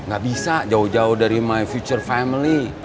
gak bisa jauh jauh dari my future family